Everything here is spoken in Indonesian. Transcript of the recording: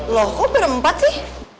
loh kok berempat sih